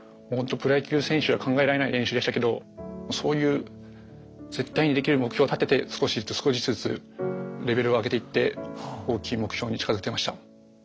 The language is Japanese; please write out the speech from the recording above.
プロ野球選手では考えられない練習でしたけどそういう絶対にできる目標を立てて少しずつ少しずつレベルを上げていって大きい目標に近づいてました。